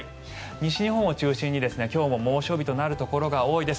西日本を中心に今日も猛暑日となるところが多いです。